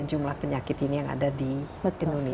jumlah penyakit ini yang ada di indonesia